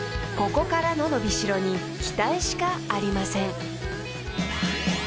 ここからの伸び代に期待しかありません］